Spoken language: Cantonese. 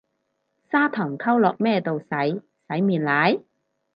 砂糖溝落咩度洗，洗面奶？